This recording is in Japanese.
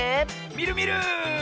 みるみる！